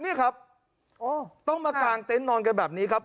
นี่ครับต้องมากางเต็นต์นอนกันแบบนี้ครับ